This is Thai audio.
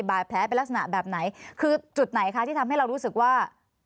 บาดแผลเป็นลักษณะแบบไหนคือจุดไหนคะที่ทำให้เรารู้สึกว่า